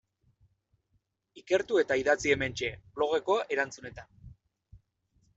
Ikertu eta idatzi hementxe, blogeko erantzunetan.